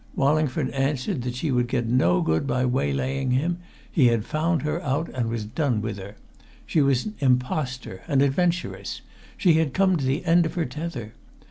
Wallingford answered that she would get no good by waylaying him; he had found her out and was done with her; she was an impostor, an adventuress; she had come to the end of her tether.